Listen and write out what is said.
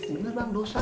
benar bang dosa